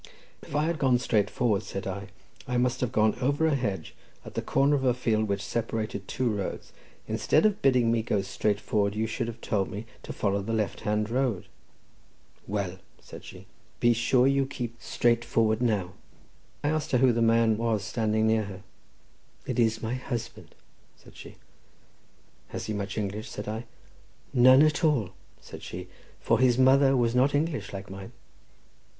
"If I had gone straight forward," said I, "I must have gone over a hedge, at the corner of a field which separated two roads; instead of bidding me go straight forward, you should have told me to follow the left hand road." "Well," said she, "be sure you keep straight forward now." I asked her who the man was standing near her. "It is my husband," said she. "Has he much English?" said I. "None at all," said she, "for his mother was not English, like mine."